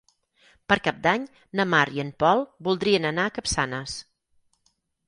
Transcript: Per Cap d'Any na Mar i en Pol voldrien anar a Capçanes.